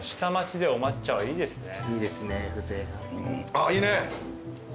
あいいね！